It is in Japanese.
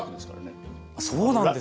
あそうなんですか。